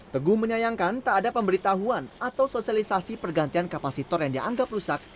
teguh menyayangkan tak ada pemberitahuan atau sosialisasi pergantian kapasitor yang dianggap rusak